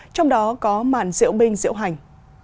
trong đó có mạng diễu binh diễu hành